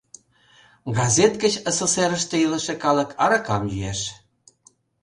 Газет гыч СССР-ыште илыше калык аракам йӱэш.